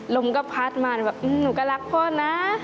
ลมก็พัดมาแบบหนูก็รักพ่อนะ